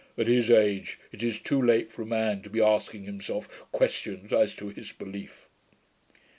'At his age, it is too late for a man to be asking himself questions as to his belief.'